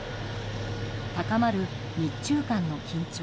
高まる日中間の緊張。